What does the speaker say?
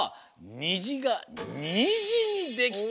「にじがにじにできた」。